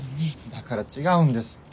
だから違うんですって。